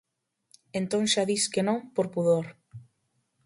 Entón xa dis que non por pudor.